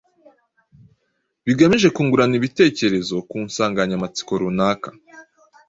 bagamije kungurana ibitekerezo ku nsanganyamatsiko runaka.